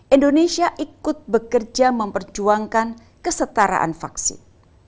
indonesia ikut bekerja memperjuangkan kesetaraan vaksin